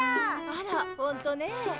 あらほんとねえ。